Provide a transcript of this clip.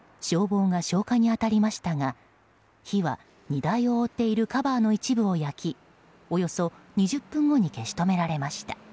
消防が消火に当たりましたが火は、荷台を覆っているカバーの一部を焼きおよそ２０分後に消し止められました。